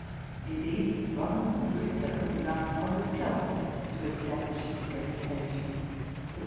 Indeed, his Robinson Crusoe is enough of itself to establish his reputation.